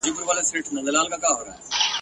نه به یې په سیوري پسي ځغلي ماشومان د ښار !.